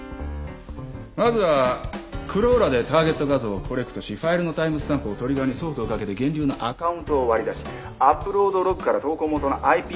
まずはクローラでターゲット画像をコレクトしファイルのタイムスタンプをトリガーにソートをかけて源流のアカウントを割り出しアップロードログから投稿元のＩＰアドレスを特定した